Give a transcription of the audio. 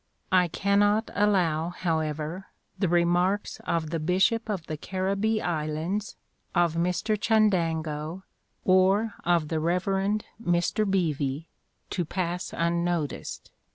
I cannot allow, however, the remarks of the Bishop of the Caribbee Islands, of Mr Chundango, or of the Rev. Mr Beevy, to pass unnoticed.